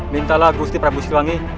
mintalah gusti prabu siliwangi